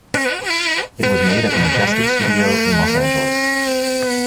It was made at the Majestic Studio in Los Angeles.